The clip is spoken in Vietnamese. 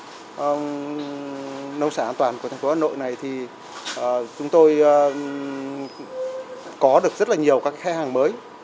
thì khi mà chúng tôi tham gia cái trang nông sản an toàn của thành phố hà nội này thì chúng tôi có được rất là nhiều các khách hàng mới